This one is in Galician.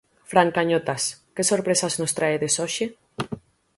Fran Cañotas, que sorpresas nos traedes hoxe?